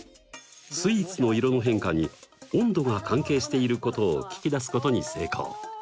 スイーツの色の変化に温度が関係していることを聞き出すことに成功。